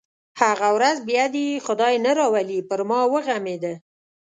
هغه ورځ بیا دې یې خدای نه راولي پر ما وغمېده.